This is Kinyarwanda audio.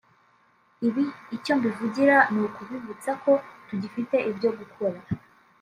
Ibi icyo mbivugira ni ukubibutsa ko tugifite ibyo gukora